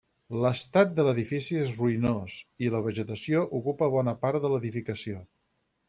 L'estat de l'edifici és ruïnós, i la vegetació ocupa bona part de l'edificació.